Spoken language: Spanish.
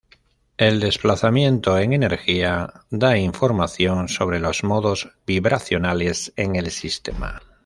El desplazamiento en energía da información sobre los modos vibracionales en el sistema.